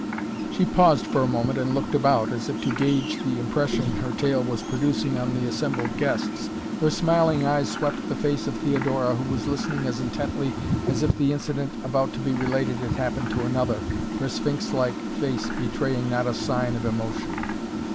She paused for a moment and looked about, as if to gauge the impression her tale was producing on the assembled guests. Her smiling eyes swept the face of Theodora who was listening as intently as if the incident about to be related had happened to another, her sphinx like face betraying not a sign of emotion.